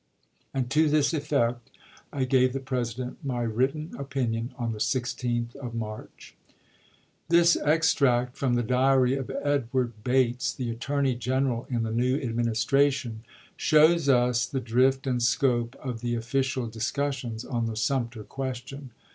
And to this effect I gave the President my written Diary, ms. opinion on the 16th of March. This extract from the diary of Edward Bates, the Attorney General in the new Administration, shows us the drift and scope of the official dis cussions on the Sumter question.